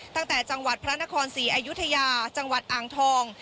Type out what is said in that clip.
ตั้งแต่จังหวัดพระนครศรีอยุธยาจังหวัดอังทอง